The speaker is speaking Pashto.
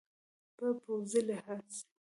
په پوځي لحاظ